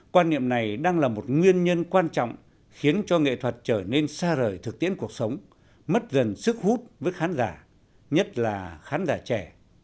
quan niệm này đang là một nguyên nhân quan trọng khiến cho nghệ thuật trở nên xa rời thực tiễn cuộc sống mất dần sức hút với khán giả nhất là khán giả trẻ